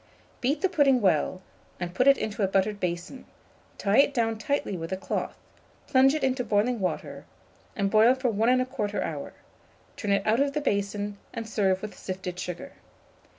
Beat the pudding well, and put it into a buttered basin; tie it down tightly with a cloth, plunge it into boiling water, and boil for 1 1/4 hour; turn it out of the basin, and serve with sifted sugar.